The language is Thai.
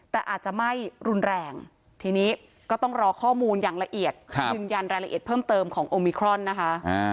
แต่อาจจะไม่รุนแรงทีนี้ก็ต้องรอข้อมูลอย่างละเอียดยืนยันรายละเอียดเพิ่มเติมของโอมิครอนนะคะ